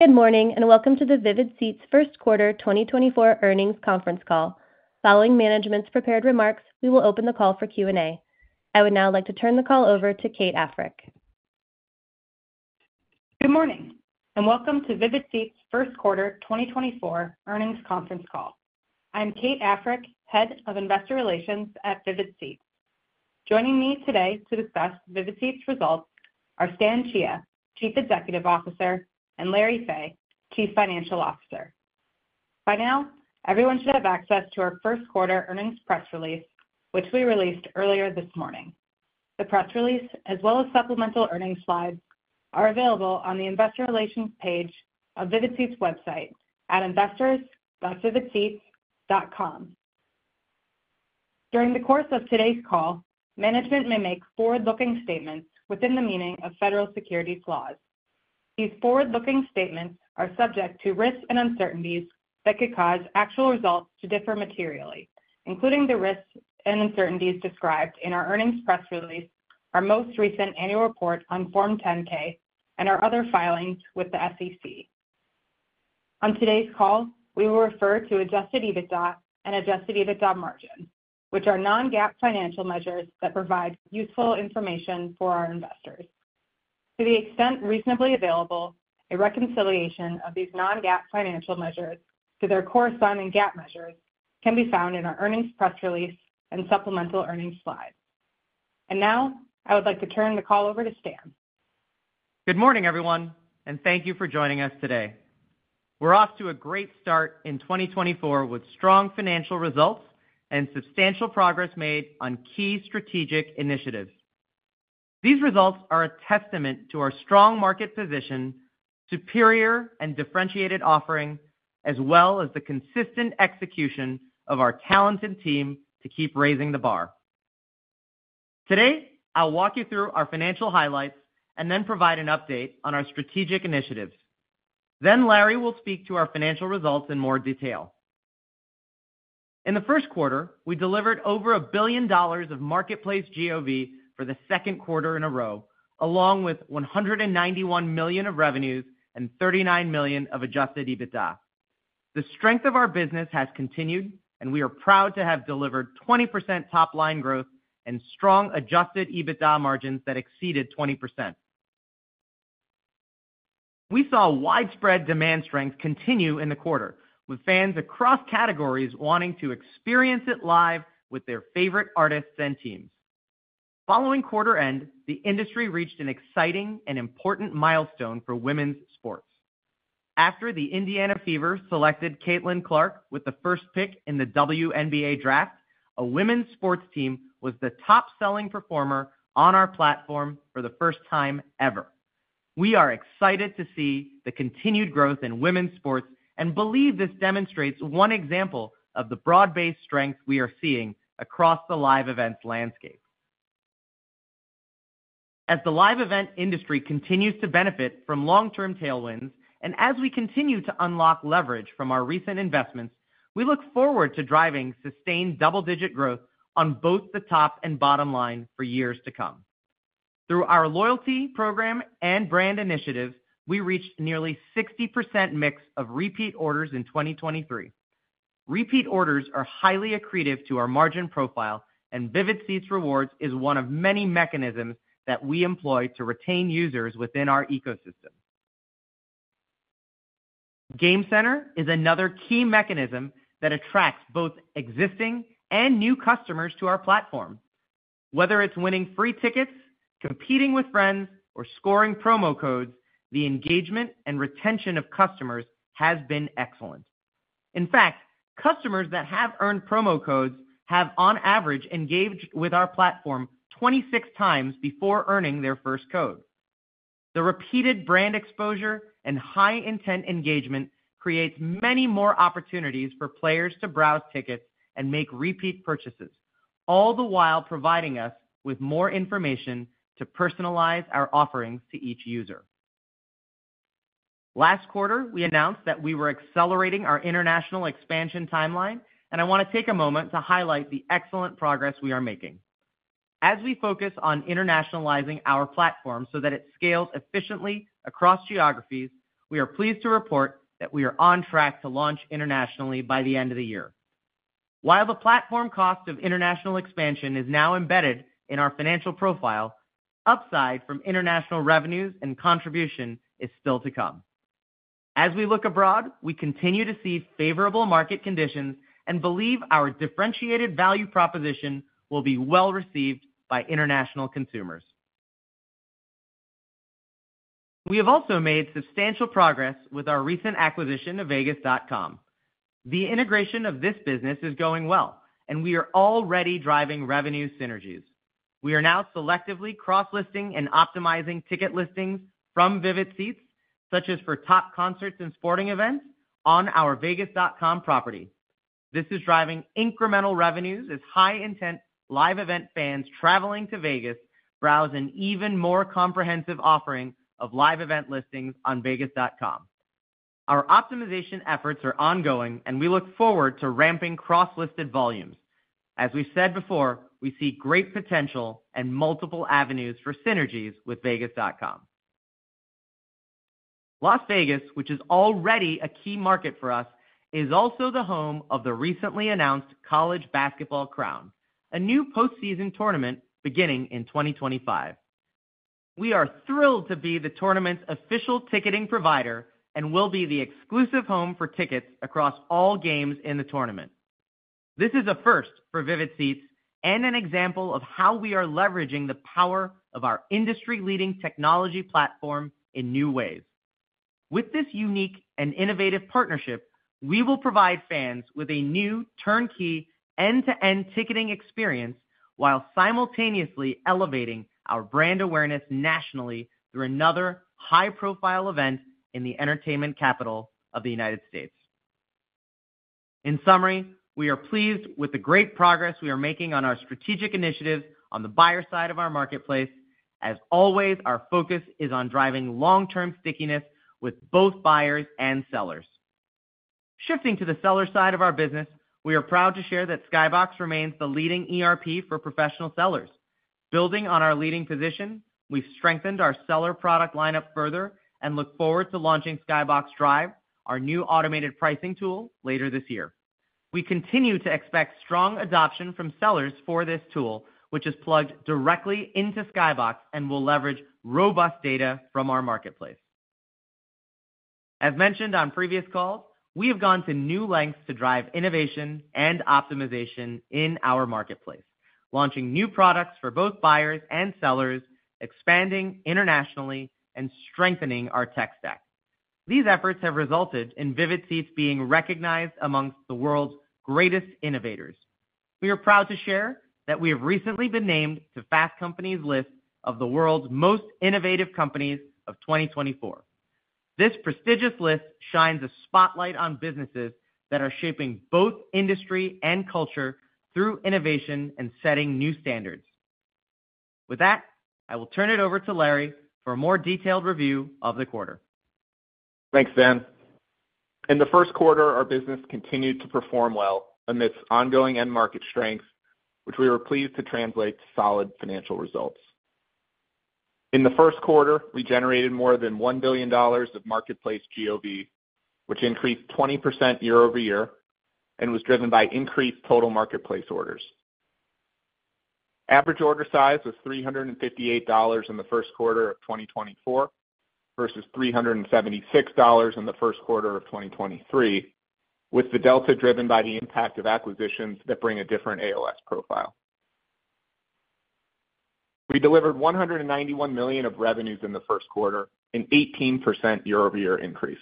Good morning and welcome to the Vivid Seats First Quarter 2024 Earnings Conference Call. Following management's prepared remarks, we will open the call for Q&A. I would now like to turn the call over to Kate Africk. Good morning and welcome to Vivid Seats First Quarter 2024 Earnings Conference Call. I'm Kate Africk, Head of Investor Relations at Vivid Seats. Joining me today to discuss Vivid Seats' results are Stan Chia, Chief Executive Officer, and Larry Fey, Chief Financial Officer. By now, everyone should have access to our First Quarter Earnings Press Release, which we released earlier this morning. The press release, as well as supplemental earnings slides, are available on the Investor Relations page of Vivid Seats' website at investors.vividseats.com. During the course of today's call, management may make forward-looking statements within the meaning of federal securities laws. These forward-looking statements are subject to risks and uncertainties that could cause actual results to differ materially, including the risks and uncertainties described in our earnings press release, our most recent annual report on Form 10-K, and our other filings with the SEC. On today's call, we will refer to Adjusted EBITDA and Adjusted EBITDA margins, which are non-GAAP financial measures that provide useful information for our investors. To the extent reasonably available, a reconciliation of these non-GAAP financial measures to their corresponding GAAP measures can be found in our earnings press release and supplemental earnings slides. Now, I would like to turn the call over to Stan. Good morning, everyone, and thank you for joining us today. We're off to a great start in 2024 with strong financial results and substantial progress made on key strategic initiatives. These results are a testament to our strong market position, superior and differentiated offering, as well as the consistent execution of our talented team to keep raising the bar. Today, I'll walk you through our financial highlights and then provide an update on our strategic initiatives. Then Larry will speak to our financial results in more detail. In the first quarter, we delivered over $1 billion of marketplace GOV for the second quarter in a row, along with $191 million of revenues and $39 million of Adjusted EBITDA. The strength of our business has continued, and we are proud to have delivered 20% top-line growth and strong Adjusted EBITDA margins that exceeded 20%. We saw widespread demand strength continue in the quarter, with fans across categories wanting to experience it live with their favorite artists and teams. Following quarter-end, the industry reached an exciting and important milestone for women's sports. After the Indiana Fever selected Caitlin Clark with the first pick in the WNBA Draft, a women's sports team was the top-selling performer on our platform for the first time ever. We are excited to see the continued growth in women's sports and believe this demonstrates one example of the broad-based strength we are seeing across the live events landscape. As the live event industry continues to benefit from long-term tailwinds and as we continue to unlock leverage from our recent investments, we look forward to driving sustained double-digit growth on both the top and bottom line for years to come. Through our loyalty program and brand initiatives, we reached nearly 60% mix of repeat orders in 2023. Repeat orders are highly accretive to our margin profile, and Vivid Seats Rewards is one of many mechanisms that we employ to retain users within our ecosystem. Game Center is another key mechanism that attracts both existing and new customers to our platform. Whether it's winning free tickets, competing with friends, or scoring promo codes, the engagement and retention of customers has been excellent. In fact, customers that have earned promo codes have, on average, engaged with our platform 26x before earning their first code. The repeated brand exposure and high-intent engagement creates many more opportunities for players to browse tickets and make repeat purchases, all the while providing us with more information to personalize our offerings to each user. Last quarter, we announced that we were accelerating our international expansion timeline, and I want to take a moment to highlight the excellent progress we are making. As we focus on internationalizing our platform so that it scales efficiently across geographies, we are pleased to report that we are on track to launch internationally by the end of the year. While the platform cost of international expansion is now embedded in our financial profile, upside from international revenues and contribution is still to come. As we look abroad, we continue to see favorable market conditions and believe our differentiated value proposition will be well received by international consumers. We have also made substantial progress with our recent acquisition of Vegas.com. The integration of this business is going well, and we are already driving revenue synergies. We are now selectively cross-listing and optimizing ticket listings from Vivid Seats, such as for top concerts and sporting events, on our Vegas.com property. This is driving incremental revenues as high-intent live event fans traveling to Vegas browse an even more comprehensive offering of live event listings on Vegas.com. Our optimization efforts are ongoing, and we look forward to ramping cross-listed volumes. As we've said before, we see great potential and multiple avenues for synergies with Vegas.com. Las Vegas, which is already a key market for us, is also the home of the recently announced College Basketball Crown, a new postseason tournament beginning in 2025. We are thrilled to be the tournament's official ticketing provider and will be the exclusive home for tickets across all games in the tournament. This is a first for Vivid Seats and an example of how we are leveraging the power of our industry-leading technology platform in new ways. With this unique and innovative partnership, we will provide fans with a new, turnkey, end-to-end ticketing experience while simultaneously elevating our brand awareness nationally through another high-profile event in the entertainment capital of the United States. In summary, we are pleased with the great progress we are making on our strategic initiatives on the buyer side of our marketplace. As always, our focus is on driving long-term stickiness with both buyers and sellers. Shifting to the seller side of our business, we are proud to share that Skybox remains the leading ERP for professional sellers. Building on our leading position, we've strengthened our seller product lineup further and look forward to launching Skybox Drive, our new automated pricing tool, later this year. We continue to expect strong adoption from sellers for this tool, which is plugged directly into Skybox and will leverage robust data from our marketplace. As mentioned on previous calls, we have gone to new lengths to drive innovation and optimization in our marketplace, launching new products for both buyers and sellers, expanding internationally, and strengthening our tech stack. These efforts have resulted in Vivid Seats being recognized amongst the world's greatest innovators. We are proud to share that we have recently been named to Fast Company's list of the World's Most Innovative Companies of 2024. This prestigious list shines a spotlight on businesses that are shaping both industry and culture through innovation and setting new standards. With that, I will turn it over to Larry for a more detailed review of the quarter. Thanks, Stan. In the first quarter, our business continued to perform well amidst ongoing end-market strength, which we were pleased to translate to solid financial results. In the first quarter, we generated more than $1 billion of marketplace GOV, which increased 20% year-over-year and was driven by increased total marketplace orders. Average order size was $358 in the first quarter of 2024 versus $376 in the first quarter of 2023, with the delta driven by the impact of acquisitions that bring a different AOS profile. We delivered $191 million of revenues in the first quarter, an 18% year-over-year increase.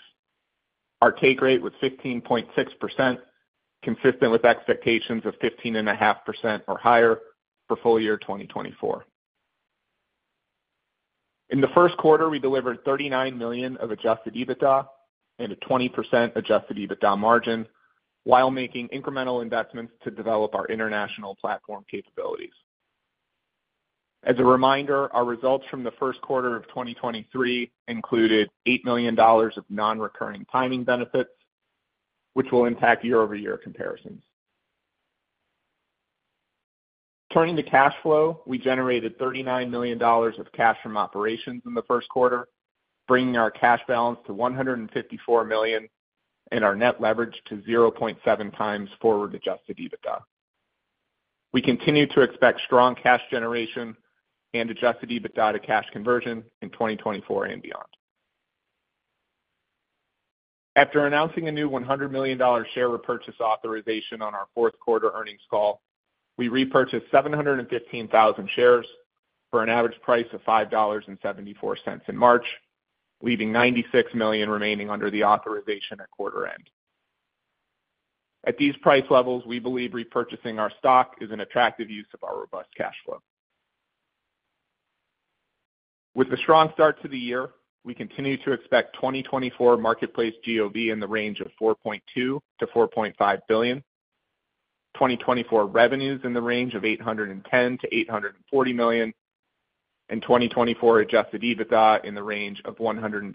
Our take rate was 15.6%, consistent with expectations of 15.5% or higher for full year 2024. In the first quarter, we delivered $39 million of Adjusted EBITDA and a 20% Adjusted EBITDA margin while making incremental investments to develop our international platform capabilities. As a reminder, our results from the first quarter of 2023 included $8 million of non-recurring timing benefits, which will impact year-over-year comparisons. Turning to cash flow, we generated $39 million of cash from operations in the first quarter, bringing our cash balance to $154 million and our net leverage to 0.7x forward-Adjusted EBITDA. We continue to expect strong cash generation and Adjusted EBITDA to cash conversion in 2024 and beyond. After announcing a new $100 million share repurchase authorization on our fourth quarter earnings call, we repurchased 715,000 shares for an average price of $5.74 in March, leaving $96 million remaining under the authorization at quarter-end. At these price levels, we believe repurchasing our stock is an attractive use of our robust cash flow. With a strong start to the year, we continue to expect 2024 marketplace GOV in the range of $4.2 billion-$4.5 billion, 2024 revenues in the range of $810 million-$840 million, and 2024 Adjusted EBITDA in the range of $160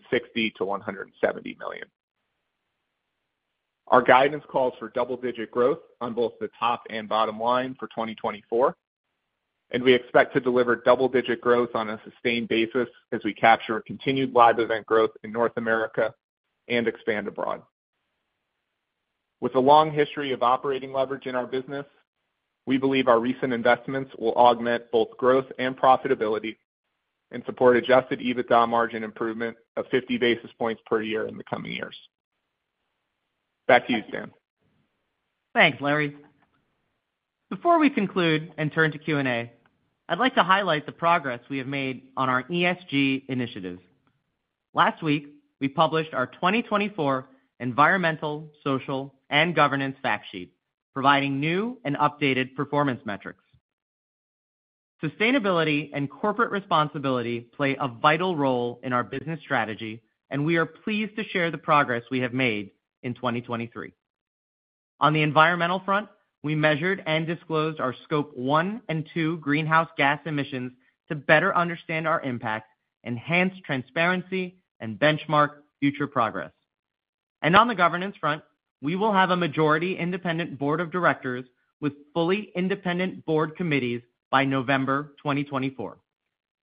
million-$170 million. Our guidance calls for double-digit growth on both the top and bottom line for 2024, and we expect to deliver double-digit growth on a sustained basis as we capture continued live event growth in North America and expand abroad. With a long history of operating leverage in our business, we believe our recent investments will augment both growth and profitability and support Adjusted EBITDA margin improvement of 50 basis points per year in the coming years. Back to you, Stan. Thanks, Larry. Before we conclude and turn to Q&A, I'd like to highlight the progress we have made on our ESG initiatives. Last week, we published our 2024 Environmental, Social, and Governance Fact Sheet, providing new and updated performance metrics. Sustainability and corporate responsibility play a vital role in our business strategy, and we are pleased to share the progress we have made in 2023. On the environmental front, we measured and disclosed our Scope 1 and 2 greenhouse gas emissions to better understand our impact, enhance transparency, and benchmark future progress. On the governance front, we will have a majority independent board of directors with fully independent board committees by November 2024.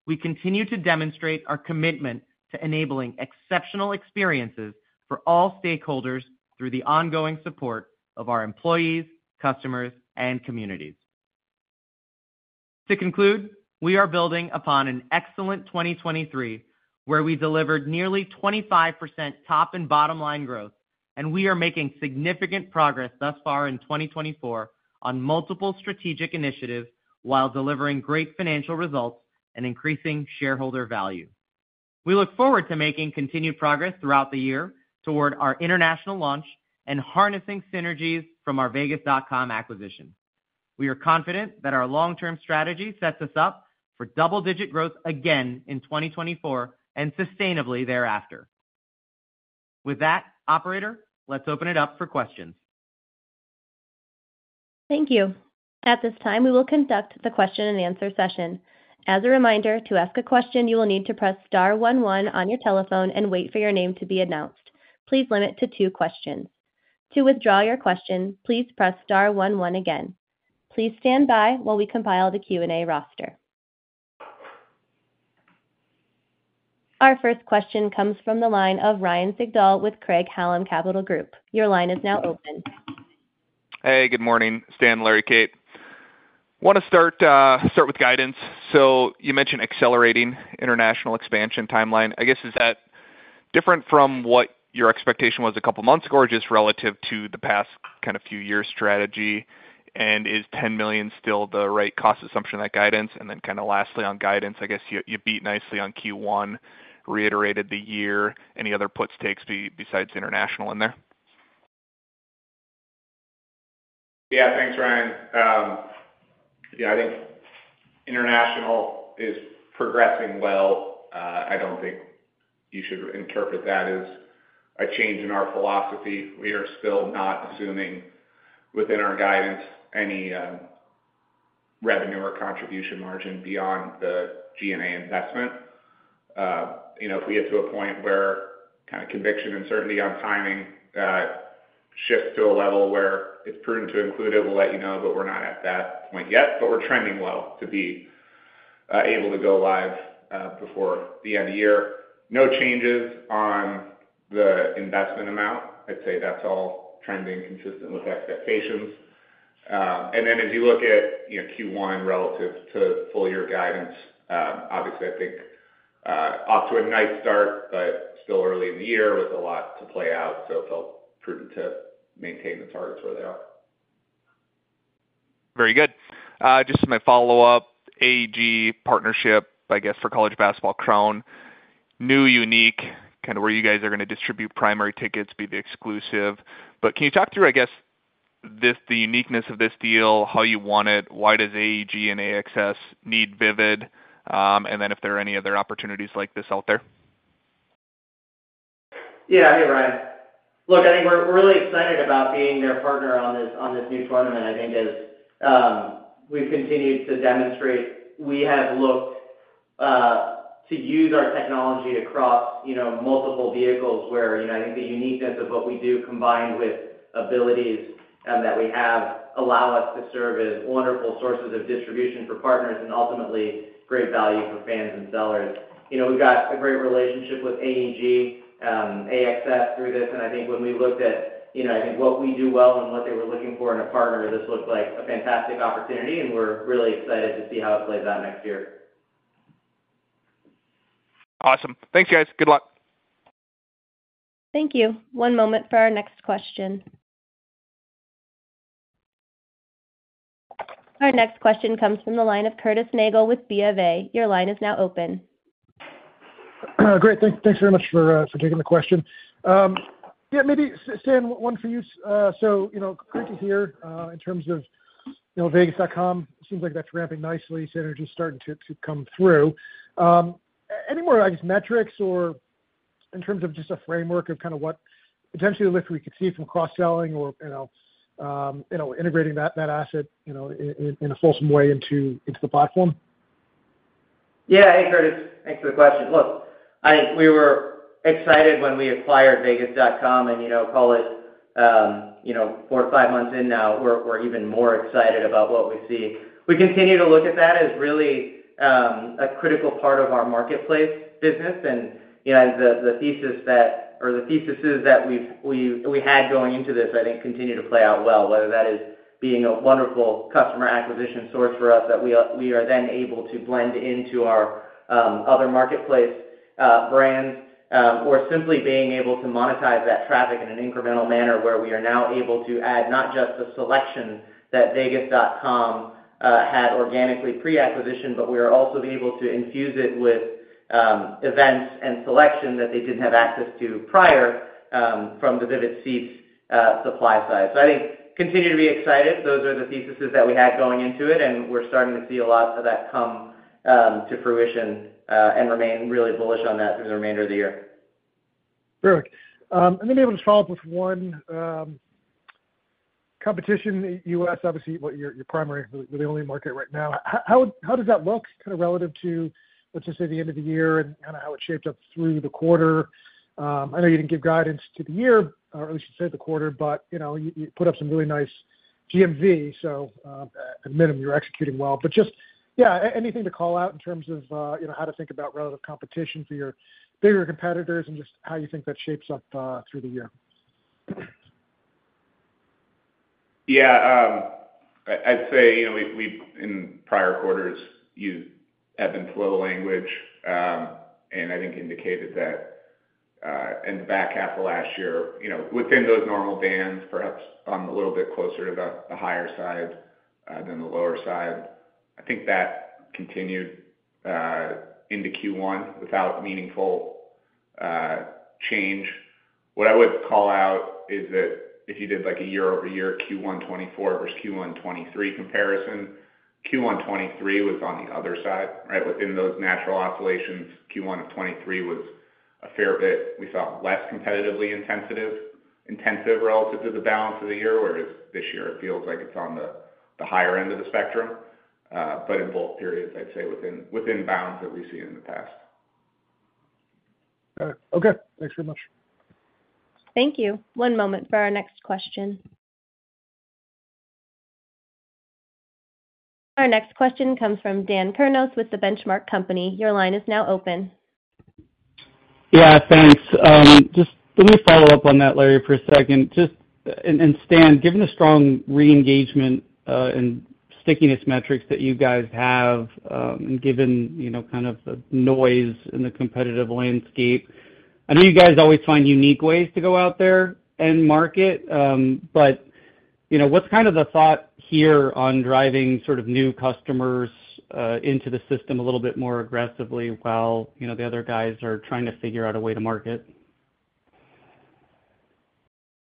We continue to demonstrate our commitment to enabling exceptional experiences for all stakeholders through the ongoing support of our employees, customers, and communities. To conclude, we are building upon an excellent 2023 where we delivered nearly 25% top and bottom line growth, and we are making significant progress thus far in 2024 on multiple strategic initiatives while delivering great financial results and increasing shareholder value. We look forward to making continued progress throughout the year toward our international launch and harnessing synergies from our Vegas.com acquisition. We are confident that our long-term strategy sets us up for double-digit growth again in 2024 and sustainably thereafter. With that, operator, let's open it up for questions. Thank you. At this time, we will conduct the question-and-answer session. As a reminder, to ask a question, you will need to press star 11 on your telephone and wait for your name to be announced. Please limit to two questions. To withdraw your question, please press star 11 again. Please stand by while we compile the Q&A roster. Our first question comes from the line of Ryan Sigdahl with Craig-Hallum Capital Group. Your line is now open. Hey, good morning, Stan, Larry, Kate. Want to start with guidance. So you mentioned accelerating international expansion timeline. I guess, is that different from what your expectation was a couple of months ago or just relative to the past kind of few-year strategy? And is $10 million still the right cost assumption on that guidance? And then kind of lastly, on guidance, I guess you beat nicely on Q1, reiterated the year. Any other puts takes besides international in there? Yeah, thanks, Ryan. Yeah, I think international is progressing well. I don't think you should interpret that as a change in our philosophy. We are still not assuming within our guidance any revenue or contribution margin beyond the G&A investment. If we get to a point where kind of conviction and certainty on timing shifts to a level where it's prudent to include it, we'll let you know, but we're not at that point yet. But we're trending well to be able to go live before the end of the year. No changes on the investment amount. I'd say that's all trending consistent with expectations. And then as you look at Q1 relative to full-year guidance, obviously, I think off to a nice start, but still early in the year with a lot to play out, so it felt prudent to maintain the targets where they are. Very good. Just my follow-up, AEG partnership, I guess, for College Basketball Crown, new, unique, kind of where you guys are going to distribute primary tickets, be the exclusive. But can you talk through, I guess, the uniqueness of this deal, how you want it, why does AEG and AXS need Vivid, and then if there are any other opportunities like this out there? Yeah, hey, Ryan. Look, I think we're really excited about being their partner on this new tournament, I think, as we've continued to demonstrate. We have looked to use our technology across multiple vehicles where I think the uniqueness of what we do combined with abilities that we have allow us to serve as wonderful sources of distribution for partners and ultimately great value for fans and sellers. We've got a great relationship with AEG, AXS through this. And I think when we looked at I think what we do well and what they were looking for in a partner, this looked like a fantastic opportunity, and we're really excited to see how it plays out next year. Awesome. Thanks, guys. Good luck. Thank you. One moment for our next question. Our next question comes from the line of Curtis Nagle with B of A. Your line is now open. Great. Thanks very much for taking the question. Yeah, maybe, Stan, one for you. So great to hear. In terms of Vegas.com, it seems like that's ramping nicely. Synergy is starting to come through. Any more, I guess, metrics or in terms of just a framework of kind of what potentially a lift we could see from cross-selling or integrating that asset in a fulsome way into the platform? Yeah, hey, Curtis. Thanks for the question. Look, I think we were excited when we acquired Vegas.com, and call it 4-5 months in now, we're even more excited about what we see. We continue to look at that as really a critical part of our marketplace business, and the thesis that or the theses that we had going into this, I think, continue to play out well, whether that is being a wonderful customer acquisition source for us that we are then able to blend into our other marketplace brands or simply being able to monetize that traffic in an incremental manner where we are now able to add not just the selection that Vegas.com had organically pre-acquisition, but we are also able to infuse it with events and selection that they didn't have access to prior from the Vivid Seats supply side. So, I think continue to be excited. Those are the theses that we had going into it, and we're starting to see a lot of that come to fruition and remain really bullish on that through the remainder of the year. Perfect. I may be able to follow up with one. Competition, U.S., obviously, your primary, really only market right now. How does that look kind of relative to, let's just say, the end of the year and kind of how it shaped up through the quarter? I know you didn't give guidance to the year, or at least you said the quarter, but you put up some really nice GOV, so at a minimum, you're executing well. But just, yeah, anything to call out in terms of how to think about relative competition for your bigger competitors and just how you think that shapes up through the year? Yeah. I'd say we, in prior quarters, have been slow language and I think indicated that in the back half of last year, within those normal bands, perhaps I'm a little bit closer to the higher side than the lower side. I think that continued into Q1 without meaningful change. What I would call out is that if you did a year-over-year Q1 2024 versus Q1 2023 comparison, Q1 2023 was on the other side, right? Within those natural oscillations, Q1 of 2023 was a fair bit we saw less competitively intensive relative to the balance of the year, whereas this year, it feels like it's on the higher end of the spectrum. But in both periods, I'd say within bounds that we've seen in the past. Got it. Okay. Thanks very much. Thank you. One moment for our next question. Our next question comes from Dan Kurnos with The Benchmark Company. Your line is now open. Yeah, thanks. Just let me follow up on that, Larry, for a second. And Stan, given the strong reengagement and stickiness metrics that you guys have and given kind of the noise in the competitive landscape, I know you guys always find unique ways to go out there and market, but what's kind of the thought here on driving sort of new customers into the system a little bit more aggressively while the other guys are trying to figure out a way to market?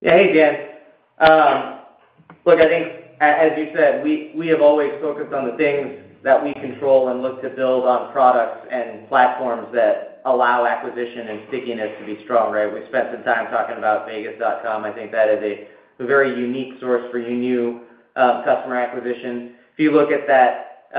Hey, Dan. Look, I think, as you said, we have always focused on the things that we control and look to build on products and platforms that allow acquisition and stickiness to be strong, right? We spent some time talking about Vegas.com. I think that is a very unique source for you new customer acquisition. If you look at that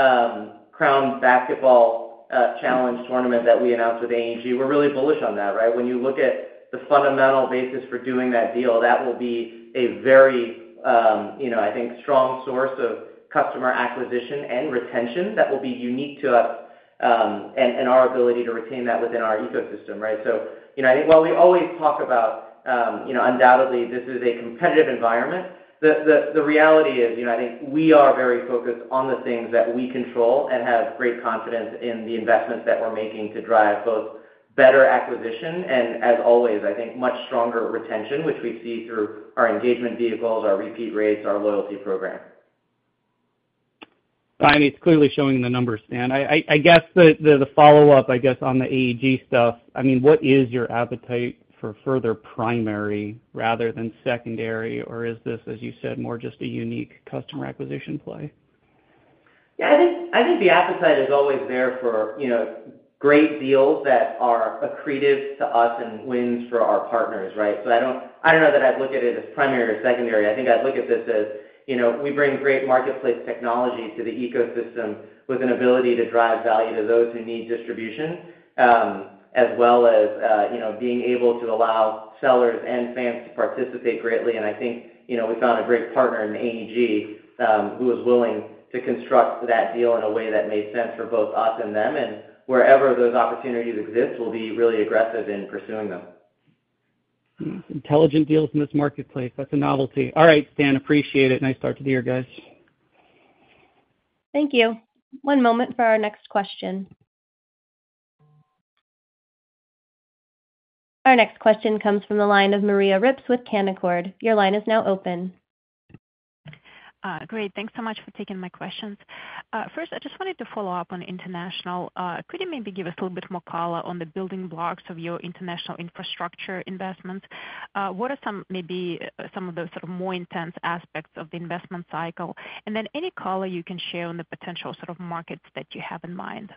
College Basketball Crown tournament that we announced with AEG, we're really bullish on that, right? When you look at the fundamental basis for doing that deal, that will be a very, I think, strong source of customer acquisition and retention that will be unique to us and our ability to retain that within our ecosystem, right? So, I think while we always talk about, undoubtedly, this is a competitive environment, the reality is I think we are very focused on the things that we control and have great confidence in the investments that we're making to drive both better acquisition and, as always, I think, much stronger retention, which we see through our engagement vehicles, our repeat rates, our loyalty program. Finally, it's clearly showing in the numbers, Stan. I guess the follow-up, I guess, on the AEG stuff, I mean, what is your appetite for further primary rather than secondary, or is this, as you said, more just a unique customer acquisition play? Yeah, I think the appetite is always there for great deals that are accretive to us and wins for our partners, right? So I don't know that I'd look at it as primary or secondary. I think I'd look at this as we bring great marketplace technology to the ecosystem with an ability to drive value to those who need distribution as well as being able to allow sellers and fans to participate greatly. And I think we found a great partner in AEG who was willing to construct that deal in a way that made sense for both us and them, and wherever those opportunities exist, we'll be really aggressive in pursuing them. Intelligent deals in this marketplace. That's a novelty. All right, Stan, appreciate it. Nice talk to the other guys. Thank you. One moment for our next question. Our next question comes from the line of Maria Ripps with Canaccord. Your line is now open. Great. Thanks so much for taking my questions. First, I just wanted to follow up on international. Could you maybe give us a little bit more color on the building blocks of your international infrastructure investments? What are maybe some of the sort of more intense aspects of the investment cycle? And then any color you can share on the potential sort of markets that you have in mind.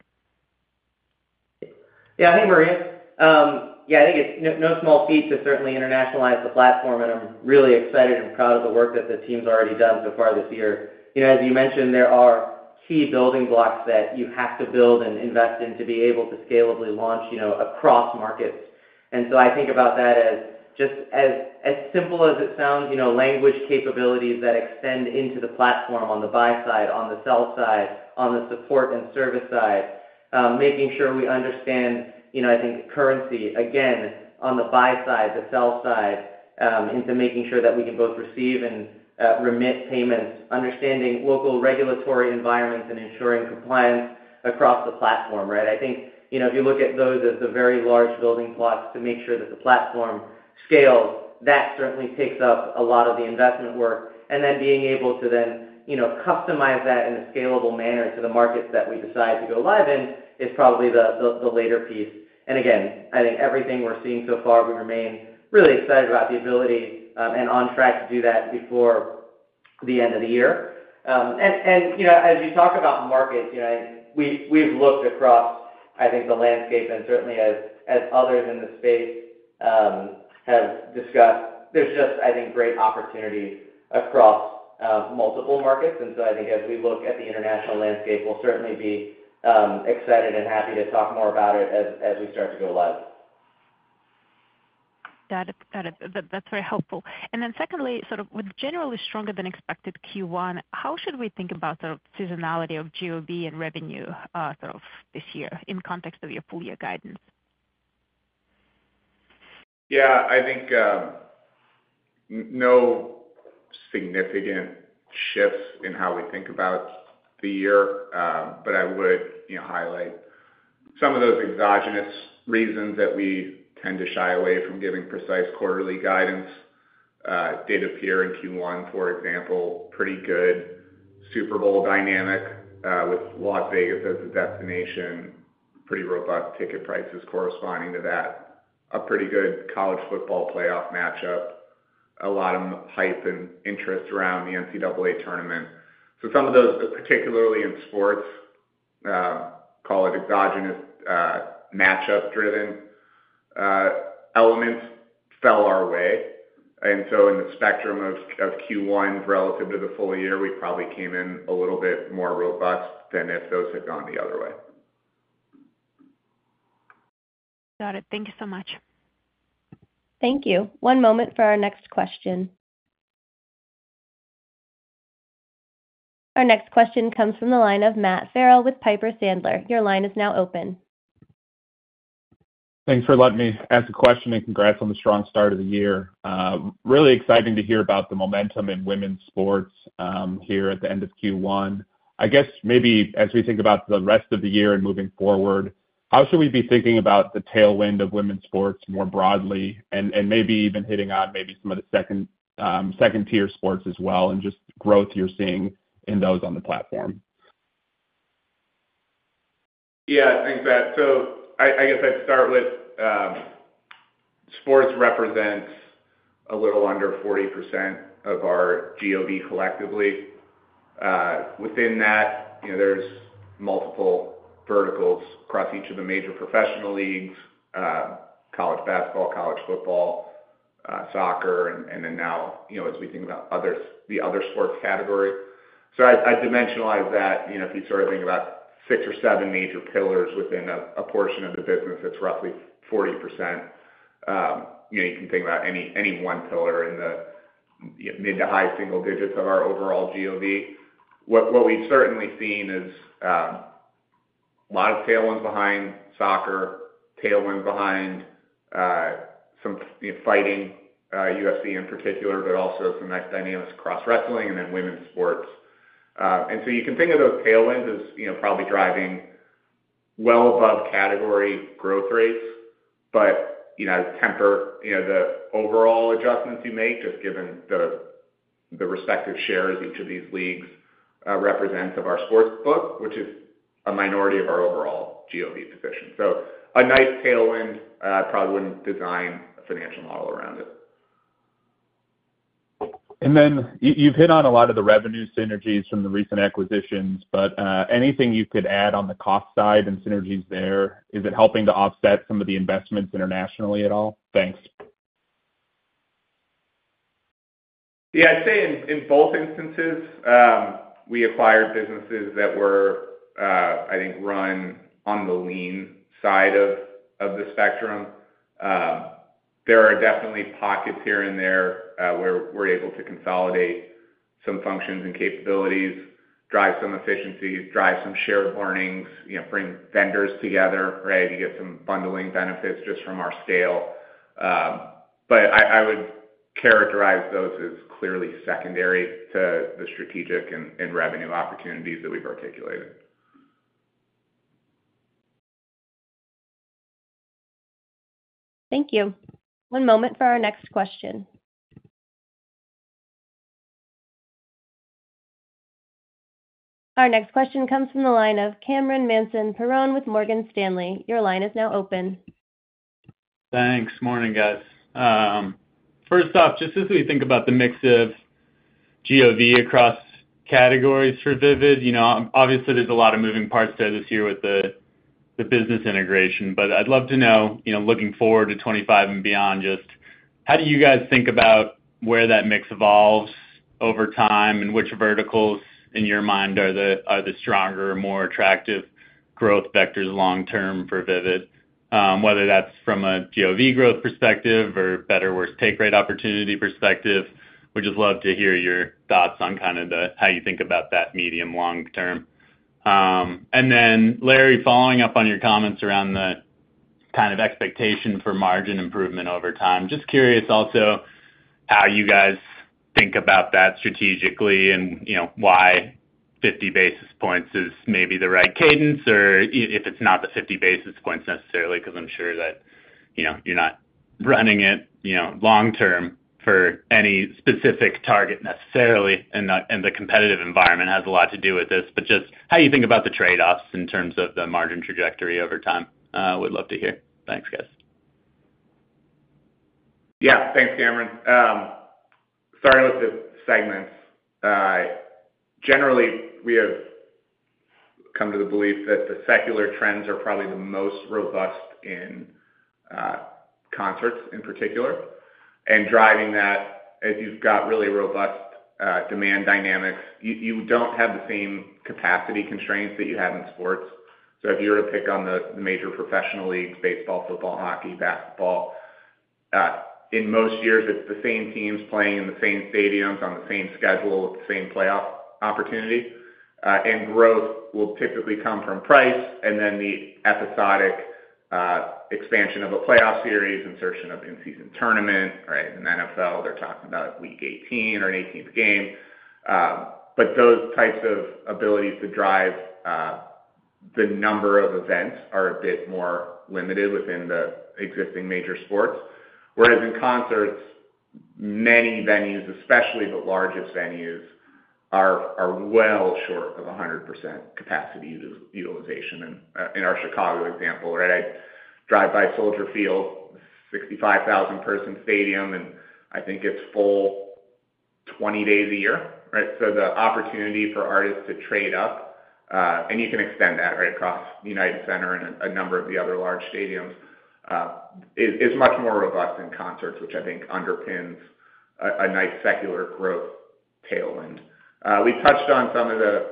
Yeah, hey, Maria. Yeah, I think it's no small feat to certainly internationalize the platform, and I'm really excited and proud of the work that the team's already done so far this year. As you mentioned, there are key building blocks that you have to build and invest in to be able to scalably launch across markets. And so I think about that as just as simple as it sounds, language capabilities that extend into the platform on the buy side, on the sell side, on the support and service side, making sure we understand, I think, currency, again, on the buy side, the sell side, into making sure that we can both receive and remit payments, understanding local regulatory environments, and ensuring compliance across the platform, right? I think if you look at those as the very large building blocks to make sure that the platform scales, that certainly takes up a lot of the investment work. And then being able to then customize that in a scalable manner to the markets that we decide to go live in is probably the later piece. And again, I think everything we're seeing so far, we remain really excited about the ability and on track to do that before the end of the year. And as you talk about markets, I think we've looked across, I think, the landscape, and certainly, as others in the space have discussed, there's just, I think, great opportunity across multiple markets. And so I think as we look at the international landscape, we'll certainly be excited and happy to talk more about it as we start to go live. Got it. Got it. That's very helpful. And then secondly, sort of with generally stronger than expected Q1, how should we think about sort of seasonality of GOV and revenue sort of this year in context of your full-year guidance? Yeah, I think no significant shifts in how we think about the year, but I would highlight some of those exogenous reasons that we tend to shy away from giving precise quarterly guidance. Did appear in Q1, for example, pretty good Super Bowl dynamic with Las Vegas as the destination, pretty robust ticket prices corresponding to that, a pretty good College Football Playoff matchup, a lot of hype and interest around the NCAA Tournament. So some of those, particularly in sports, call it exogenous matchup-driven elements fell our way. And so in the spectrum of Q1 relative to the full year, we probably came in a little bit more robust than if those had gone the other way. Got it. Thank you so much. Thank you. One moment for our next question. Our next question comes from the line of Matt Farrell with Piper Sandler. Your line is now open. Thanks for letting me ask a question and congrats on the strong start of the year. Really exciting to hear about the momentum in women's sports here at the end of Q1. I guess maybe as we think about the rest of the year and moving forward, how should we be thinking about the tailwind of women's sports more broadly and maybe even hitting on maybe some of the second-tier sports as well and just growth you're seeing in those on the platform? Yeah, I think that. So I guess I'd start with sports represents a little under 40% of our GOV collectively. Within that, there's multiple verticals across each of the major professional leagues: college basketball, college football, soccer, and then now as we think about the other sports category. So I'd dimensionalize that. If you sort of think about six or seven major pillars within a portion of the business, it's roughly 40%. You can think about any one pillar in the mid to high single digits of our overall GOV. What we've certainly seen is a lot of tailwinds behind soccer, tailwinds behind some fighting, UFC in particular, but also some nice dynamics across wrestling and then women's sports. And so you can think of those tailwinds as probably driving well above category growth rates, but temper the overall adjustments you make just given the respective shares each of these leagues represents of our sports book, which is a minority of our overall GOV position. So a nice tailwind, I probably wouldn't design a financial model around it. And then you've hit on a lot of the revenue synergies from the recent acquisitions, but anything you could add on the cost side and synergies there, is it helping to offset some of the investments internationally at all? Thanks. Yeah, I'd say in both instances, we acquired businesses that were, I think, run on the lean side of the spectrum. There are definitely pockets here and there where we're able to consolidate some functions and capabilities, drive some efficiencies, drive some shared learnings, bring vendors together, right? You get some bundling benefits just from our scale. But I would characterize those as clearly secondary to the strategic and revenue opportunities that we've articulated. Thank you. One moment for our next question. Our next question comes from the line of Cameron Mansson-Perrone with Morgan Stanley. Your line is now open. Thanks. Morning, guys. First off, just as we think about the mix of GOV across categories for Vivid, obviously, there's a lot of moving parts there this year with the business integration, but I'd love to know, looking forward to 2025 and beyond, just how do you guys think about where that mix evolves over time and which verticals, in your mind, are the stronger or more attractive growth vectors long-term for Vivid, whether that's from a GOV growth perspective or better/worse take-rate opportunity perspective? We'd just love to hear your thoughts on kind of how you think about that medium/long term. Larry, following up on your comments around the kind of expectation for margin improvement over time, just curious also how you guys think about that strategically and why 50 basis points is maybe the right cadence or if it's not the 50 basis points necessarily because I'm sure that you're not running it long-term for any specific target necessarily, and the competitive environment has a lot to do with this, but just how you think about the trade-offs in terms of the margin trajectory over time. Would love to hear. Thanks, guys. Yeah, thanks, Cameron. Starting with the segments, generally, we have come to the belief that the secular trends are probably the most robust in concerts in particular. And driving that, as you've got really robust demand dynamics, you don't have the same capacity constraints that you have in sports. So if you were to pick on the major professional leagues, baseball, football, hockey, basketball, in most years, it's the same teams playing in the same stadiums on the same schedule with the same playoff opportunity. And growth will typically come from price and then the episodic expansion of a playoff series, insertion of in-season tournament, right? In the NFL, they're talking about Week 18 or an 18th game. But those types of abilities to drive the number of events are a bit more limited within the existing major sports. Whereas in concerts, many venues, especially the largest venues, are well short of 100% capacity utilization. In our Chicago example, right, I drive by Soldier Field, 65,000-person stadium, and I think it's full 20 days a year, right? So the opportunity for artists to trade up, and you can extend that, right, across United Center and a number of the other large stadiums, is much more robust in concerts, which I think underpins a nice secular growth tailwind. We've touched on some of the,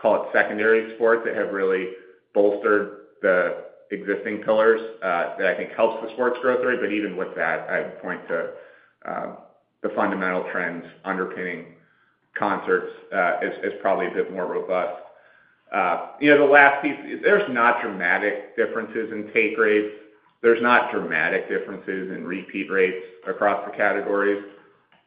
call it, secondary sports that have really bolstered the existing pillars that I think helps the sports growth rate. But even with that, I'd point to the fundamental trends underpinning concerts as probably a bit more robust. The last piece, there's not dramatic differences in take rates. There's not dramatic differences in repeat rates across the categories,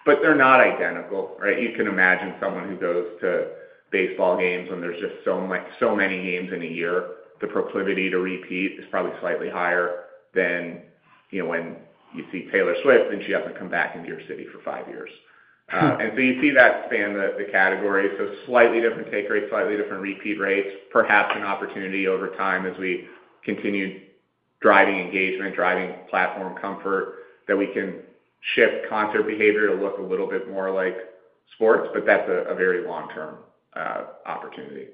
but they're not identical, right? You can imagine someone who goes to baseball games when there's just so many games in a year, the proclivity to repeat is probably slightly higher than when you see Taylor Swift and she hasn't come back into your city for five years. And so you see that span the categories. So slightly different take rates, slightly different repeat rates, perhaps an opportunity over time as we continue driving engagement, driving platform comfort that we can shift concert behavior to look a little bit more like sports, but that's a very long-term opportunity.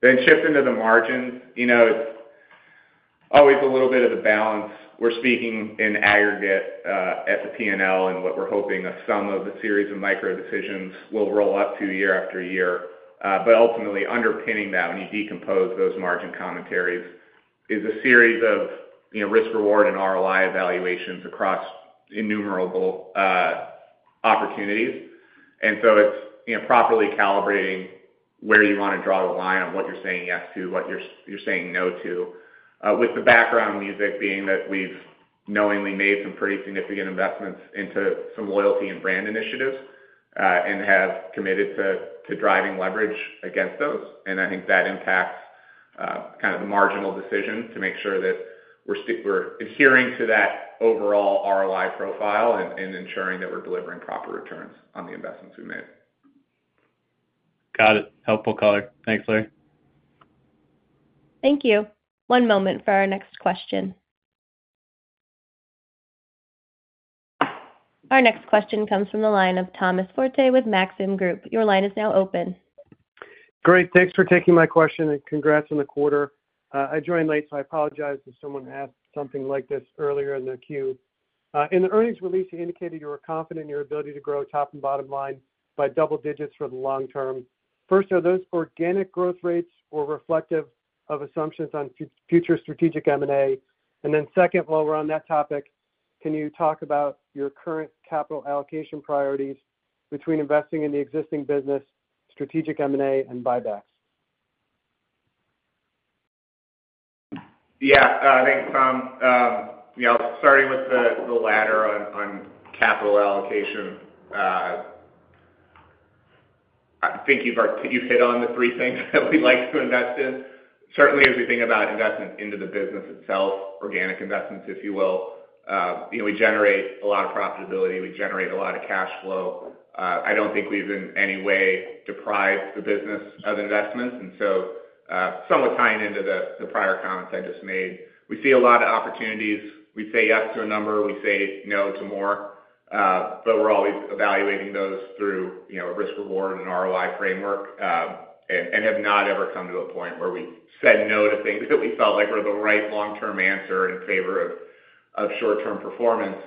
Then shifting to the margins, it's always a little bit of a balance. We're speaking in aggregate at the P&L and what we're hoping a sum of the series of micro decisions will roll up to year after year. But ultimately, underpinning that when you decompose those margin commentaries is a series of risk-reward and ROI evaluations across innumerable opportunities. And so it's properly calibrating where you want to draw the line on what you're saying yes to, what you're saying no to. With the background music being that we've knowingly made some pretty significant investments into some loyalty and brand initiatives and have committed to driving leverage against those. And I think that impacts kind of the marginal decision to make sure that we're adhering to that overall ROI profile and ensuring that we're delivering proper returns on the investments we made. Got it. Helpful color. Thanks, Larry. Thank you. One moment for our next question. Our next question comes from the line of Thomas Forte with Maxim Group. Your line is now open. Great. Thanks for taking my question and congrats on the quarter. I joined late, so I apologize if someone asked something like this earlier in the queue. In the earnings release, you indicated you were confident in your ability to grow top and bottom line by double digits for the long term. First, are those organic growth rates or reflective of assumptions on future strategic M&A? And then second, while we're on that topic, can you talk about your current capital allocation priorities between investing in the existing business, strategic M&A, and buybacks? Yeah. Thanks, Tom. Starting with the latter on capital allocation, I think you've hit on the three things that we'd like to invest in. Certainly, as we think about investments into the business itself, organic investments, if you will, we generate a lot of profitability. We generate a lot of cash flow. I don't think we've in any way deprived the business of investments. And so somewhat tying into the prior comments I just made, we see a lot of opportunities. We say yes to a number. We say no to more. But we're always evaluating those through a risk-reward and ROI framework and have not ever come to a point where we've said no to things that we felt like were the right long-term answer in favor of short-term performance.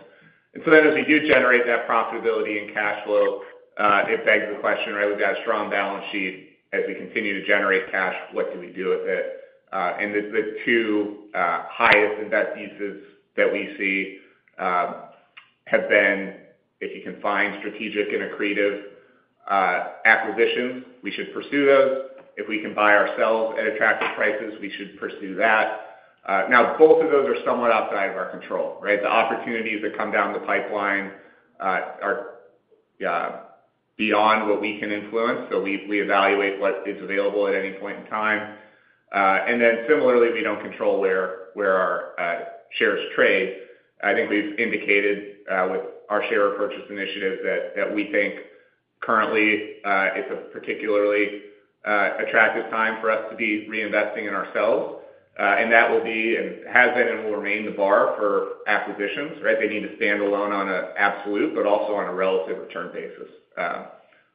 And so then as we do generate that profitability and cash flow, it begs the question, right? We've got a strong balance sheet. As we continue to generate cash, what do we do with it? And the two highest investments that we see have been, if you can find strategic and accretive acquisitions, we should pursue those. If we can buy ourselves at attractive prices, we should pursue that. Now, both of those are somewhat outside of our control, right? The opportunities that come down the pipeline are beyond what we can influence. So we evaluate what is available at any point in time. And then similarly, we don't control where our shares trade. I think we've indicated with our share purchase initiative that we think currently, it's a particularly attractive time for us to be reinvesting in ourselves. And that will be and has been and will remain the bar for acquisitions, right? They need to stand alone on an absolute, but also on a relative return basis.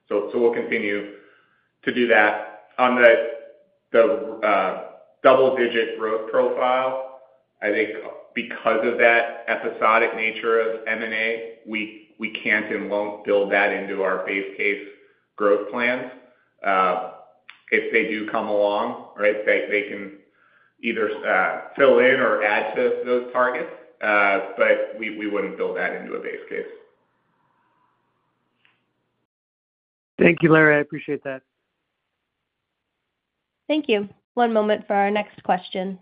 So we'll continue to do that. On the double-digit growth profile, I think because of that episodic nature of M&A, we can't and won't build that into our base case growth plans. If they do come along, right, they can either fill in or add to those targets, but we wouldn't build that into a base case. Thank you, Larry. I appreciate that. Thank you. One moment for our next question.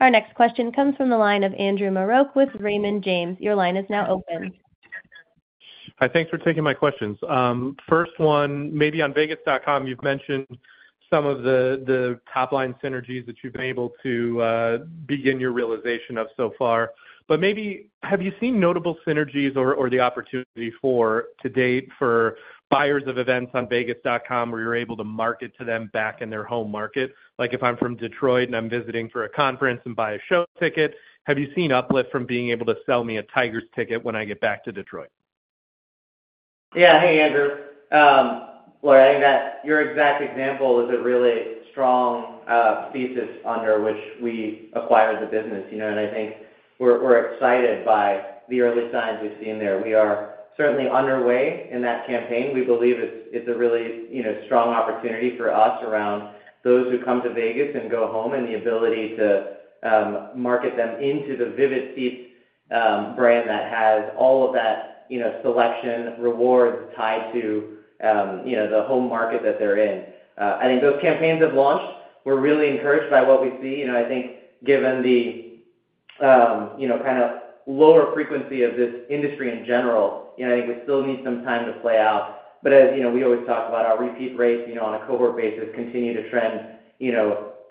Our next question comes from the line of Andrew Marok with Raymond James. Your line is now open. Hi. Thanks for taking my questions. First one, maybe on Vegas.com, you've mentioned some of the top-line synergies that you've been able to begin your realization of so far. But maybe have you seen notable synergies or the opportunity to date for buyers of events on Vegas.com where you're able to market to them back in their home market? Like if I'm from Detroit and I'm visiting for a conference and buy a show ticket, have you seen uplift from being able to sell me a Tigers ticket when I get back to Detroit? Yeah. Hey, Andrew. Larry, I think that your exact example is a really strong thesis under which we acquired the business. I think we're excited by the early signs we've seen there. We are certainly underway in that campaign. We believe it's a really strong opportunity for us around those who come to Vegas and go home and the ability to market them into the Vivid Seats brand that has all of that selection rewards tied to the home market that they're in. I think those campaigns have launched. We're really encouraged by what we see. I think given the kind of lower frequency of this industry in general, I think we still need some time to play out. But as we always talk about, our repeat rates on a cohort basis continue to trend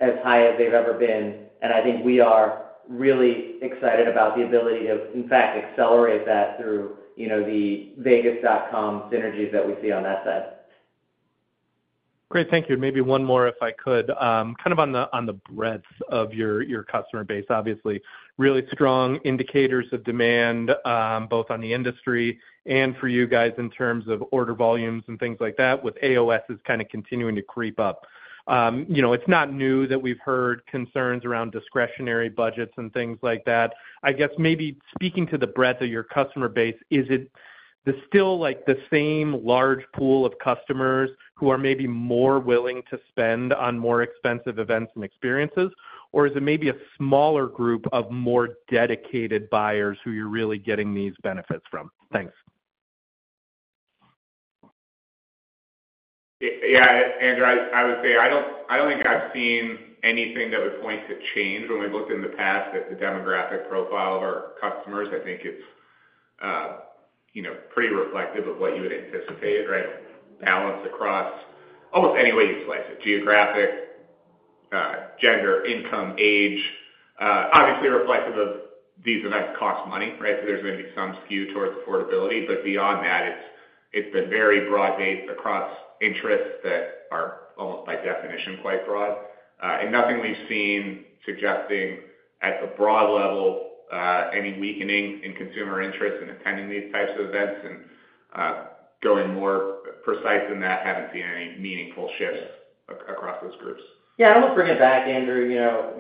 as high as they've ever been. I think we are really excited about the ability to, in fact, accelerate that through the Vegas.com synergies that we see on that side. Great. Thank you. And maybe one more if I could. Kind of on the breadth of your customer base, obviously, really strong indicators of demand both on the industry and for you guys in terms of order volumes and things like that with AOSs kind of continuing to creep up. It's not new that we've heard concerns around discretionary budgets and things like that. I guess maybe speaking to the breadth of your customer base, is it still the same large pool of customers who are maybe more willing to spend on more expensive events and experiences, or is it maybe a smaller group of more dedicated buyers who you're really getting these benefits from? Thanks. Yeah. Andrew, I would say I don't think I've seen anything that would point to change when we've looked in the past at the demographic profile of our customers. I think it's pretty reflective of what you would anticipate, right? Balance across almost any way you slice it: geographic, gender, income, age. Obviously, reflective of these events cost money, right? So there's going to be some skew towards affordability. But beyond that, it's been very broad-based across interests that are almost by definition quite broad. And nothing we've seen suggesting at the broad level any weakening in consumer interest in attending these types of events. And going more precise than that, haven't seen any meaningful shifts across those groups. Yeah. And I'll bring it back, Andrew,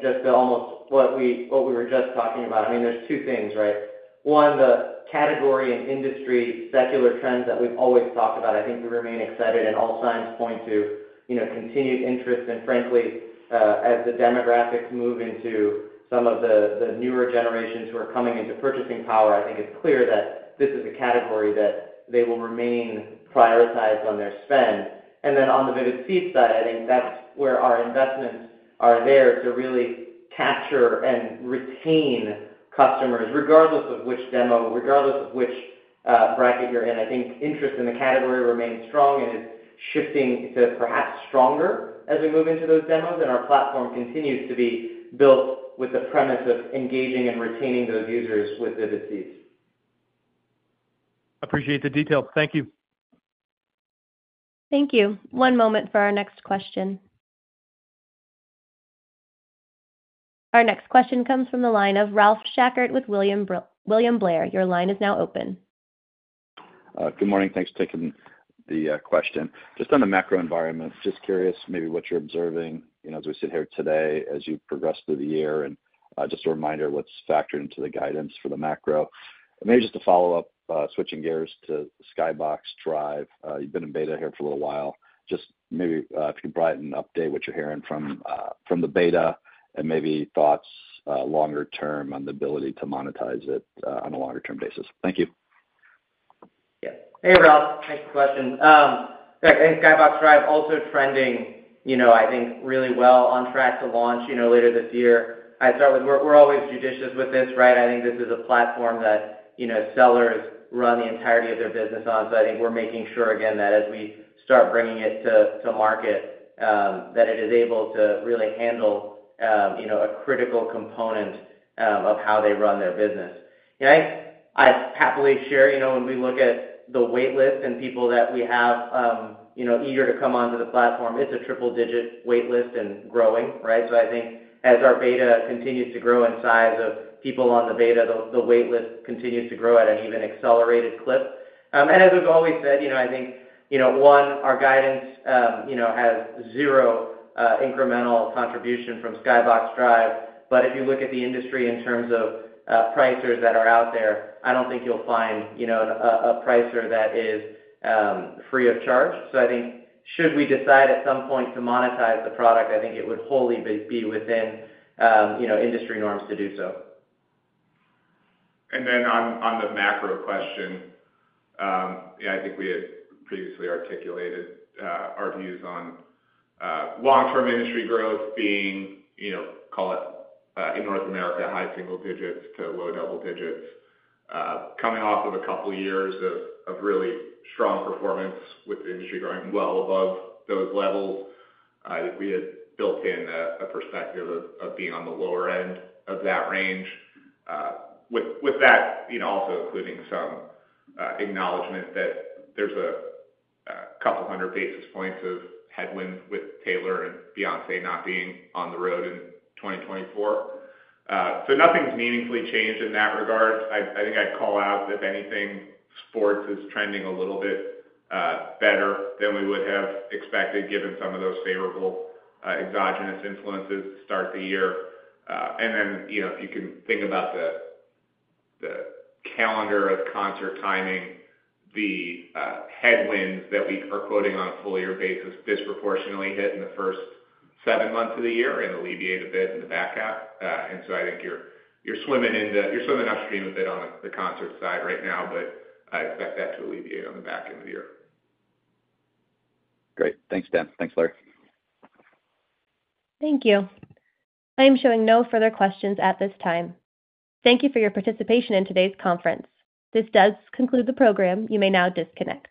just to almost what we were just talking about. I mean, there's two things, right? One, the category and industry secular trends that we've always talked about. I think we remain excited, and all signs point to continued interest. And frankly, as the demographics move into some of the newer generations who are coming into purchasing power, I think it's clear that this is a category that they will remain prioritized on their spend. And then on the Vivid Seats side, I think that's where our investments are there to really capture and retain customers regardless of which demo, regardless of which bracket you're in. I think interest in the category remains strong and is shifting to perhaps stronger as we move into those demos. Our platform continues to be built with the premise of engaging and retaining those users with Vivid Seats. Appreciate the details. Thank you. Thank you. One moment for our next question. Our next question comes from the line of Ralph Schackart with William Blair. Your line is now open. Good morning. Thanks for taking the question. Just on the macro environment, just curious maybe what you're observing as we sit here today, as you progress through the year. Just a reminder what's factored into the guidance for the macro. And maybe just to follow up, switching gears to Skybox Drive, you've been in beta here for a little while. Just maybe if you could provide an update on what you're hearing from the beta and maybe thoughts longer term on the ability to monetize it on a longer-term basis. Thank you. Yeah. Hey, Ralph. Nice question. I think Skybox Drive also trending, I think, really well on track to launch later this year. I'd start with we're always judicious with this, right? I think this is a platform that sellers run the entirety of their business on. So I think we're making sure, again, that as we start bringing it to market, that it is able to really handle a critical component of how they run their business. And I happily share when we look at the waitlist and people that we have eager to come onto the platform, it's a triple-digit waitlist and growing, right? So I think as our beta continues to grow in size of people on the beta, the waitlist continues to grow at an even accelerated clip. And as we've always said, I think, one, our guidance has zero incremental contribution from Skybox Drive. If you look at the industry in terms of pricers that are out there, I don't think you'll find a pricer that is free of charge. So, I think, should we decide at some point to monetize the product, I think it would wholly be within industry norms to do so. And then on the macro question, yeah, I think we had previously articulated our views on long-term industry growth being, call it in North America, high single digits to low double digits. Coming off of a couple of years of really strong performance with the industry going well above those levels, I think we had built in a perspective of being on the lower end of that range. With that, also including some acknowledgment that there's a couple hundred basis points of headwind with Taylor and Beyoncé not being on the road in 2024. So nothing's meaningfully changed in that regard. I think I'd call out if anything, sports is trending a little bit better than we would have expected given some of those favorable exogenous influences to start the year. And then if you can think about the calendar of concert timing, the headwinds that we are quoting on a full-year basis disproportionately hit in the first seven months of the year and alleviate a bit in the back half. And so I think you're swimming upstream a bit on the concert side right now, but I expect that to alleviate on the back end of the year. Great. Thanks, Dan. Thanks, Larry. Thank you. I am showing no further questions at this time. Thank you for your participation in today's conference. This does conclude the program. You may now disconnect.